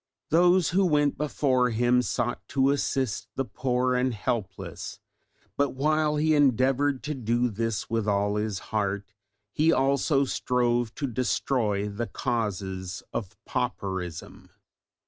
Those who went before him sought to assist the poor and helpless, but while he endeavoured to do this with all his heart, he also strove to destroy the causes of pauperism.